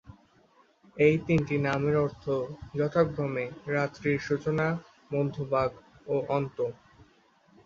এই তিনটি নামের অর্থ যথাক্রমে রাত্রির সূচনা, মধ্যভাগ ও অন্ত।